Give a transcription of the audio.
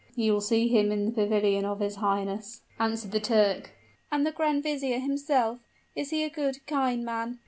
"You will see him in the pavilion of his highness," answered the Turk. "And the grand vizier himself is he a good, kind man?"